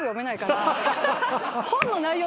本の内容